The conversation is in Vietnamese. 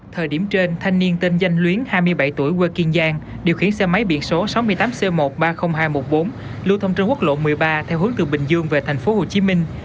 thời điểm trên thanh niên tên danh luyến hai mươi bảy tuổi quê kiên giang điều khiển xe máy biển số sáu mươi tám c một trăm ba mươi nghìn hai trăm một mươi bốn lưu thông trên quốc lộ một mươi ba theo hướng từ bình dương về thành phố hồ chí minh